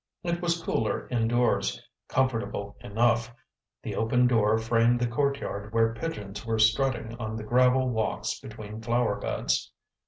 It was cooler indoors, comfortable enough; the open door framed the courtyard where pigeons were strutting on the gravel walks between flower beds.